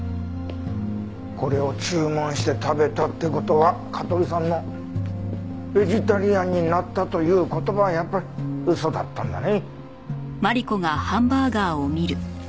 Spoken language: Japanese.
これを注文して食べたって事は香取さんの「ベジタリアンになった」という言葉はやっぱり嘘だったんだね。